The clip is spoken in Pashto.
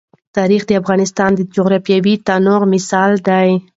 تاریخ د افغانستان د جغرافیوي تنوع مثال دی.